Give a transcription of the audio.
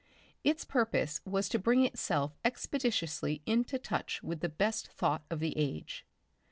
Its purpose was to bring itself expeditiously into touch with the best thought of the age.